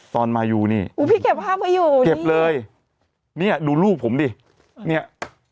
ตอนมายูนี่อุ้ยพี่เก็บภาพมาอยู่เก็บเลยเนี่ยดูลูกผมดิเนี่ย